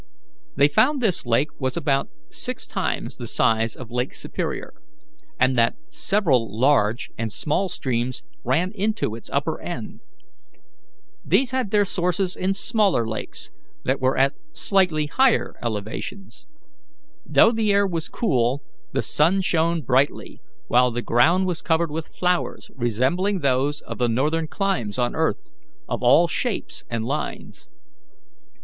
They found this lake was about six times the size of Lake Superior, and that several large and small streams ran into its upper end. These had their sources in smaller lakes that were at slightly higher elevations. Though the air was cool, the sun shone brightly, while the ground was covered with flowers resembling those of the northern climes on earth, of all shapes and lines.